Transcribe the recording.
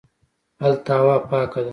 هلته هوا پاکه ده